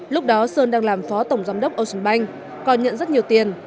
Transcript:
lúc đó sơn đang làm phó tổng giám đốc oceanbank còn nhận rất nhiều tiền